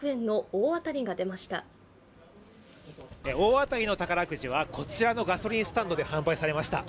大当たりの宝くじはこちらのガソリンスタンドで販売されました。